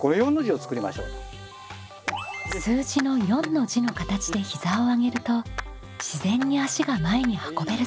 数字の４の字の形で膝を上げると自然に足が前に運べるそう。